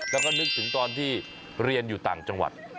แล้วก็นึกถึงตอนที่เรียนอยู่ต่างจังหวัด